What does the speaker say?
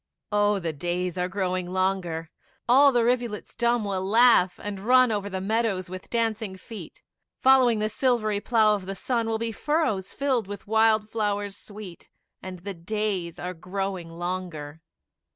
Oh, the days are growing longer, All the rivulets dumb will laugh, and run Over the meadows with dancing feet; Following the silvery plough of the sun, Will be furrows filled with wild flowers sweet: And the days are growing longer.